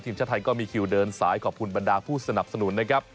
ทีมชาติไทยก็มีคิวเดินสายขอบคุณบรรดาผู้สนับสนุนนะครับ